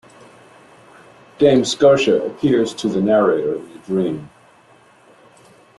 Dame Scotia appears to the narrator in a dream.